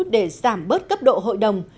để giảm bớt cấp độ hội đồng